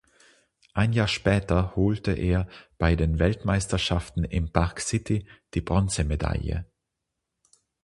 Ein Jahr später holte er bei den Weltmeisterschaften in Park City die Bronzemedaille.